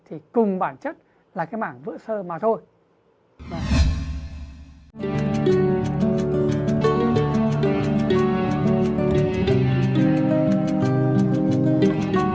thì cùng bản chất là cái mảng vỡ sơ mà thôi